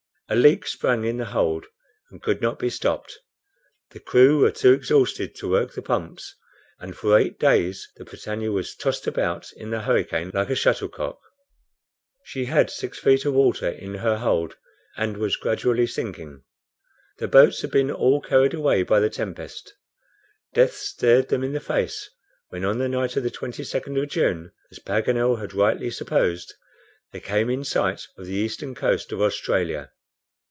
A leak sprang in the hold, and could not be stopped. The crew were too exhausted to work the pumps, and for eight days the BRITANNIA was tossed about in the hurricane like a shuttlecock. She had six feet of water in her hold, and was gradually sinking. The boats had been all carried away by the tempest; death stared them in the face, when, on the night of the 22d of June, as Paganel had rightly supposed, they came in sight of the eastern coast of Australia.